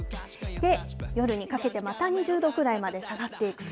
で、夜にかけてまた２０度くらいまで下がっていく。